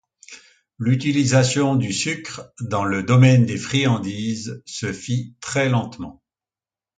L'utilisation du sucre dans le domaine des friandises se fit très lentement.